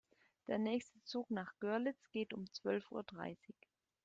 Der nächste Zug nach Görlitz geht um zwölf Uhr dreißig